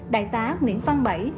đại tá nguyễn phan bảy